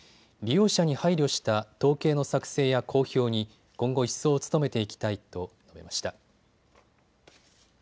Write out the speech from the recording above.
利用者に配慮した統計の作成や公表に今後一層努めていきたいと述べました。